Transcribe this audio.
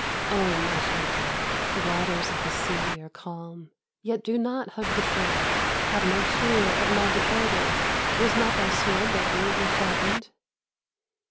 Oh, my shelter! the waters of the sea are calm, Yet do not hug the shore. Have no fear of my betrothed; Was not thy sword but lately sharpened?